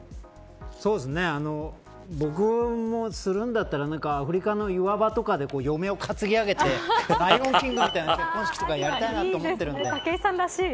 僕もするんだったらアフリカの岩場とかで嫁を担ぎ上げてライオンキングみたいな結婚式がやりたいと武井さんらしい。